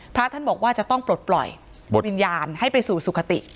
พระท่านบอกว่าจะต้องปลดปล่อยวิญญาณให้ไปสู่สุขติ